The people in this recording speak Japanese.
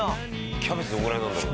キャベツどれぐらいなんだろう？